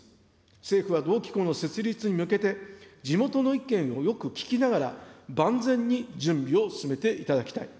政府は同機構の設立に向けて、地元の意見をよく聞きながら、万全に準備を進めていただきたい。